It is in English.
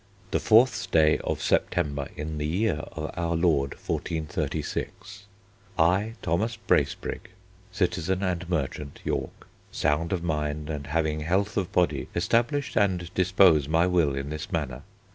The 4th day of September in the year of our Lord 1436, I Thomas Bracebrig, Citizen and merchant, York, sound of mind and having health of body, establish and dispose my Will in this manner.